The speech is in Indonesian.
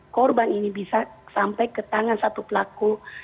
korban ini bisa sampai ke tangan satu pelaku